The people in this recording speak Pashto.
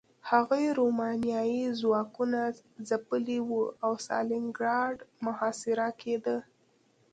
هغوی رومانیايي ځواکونه ځپلي وو او ستالینګراډ محاصره کېده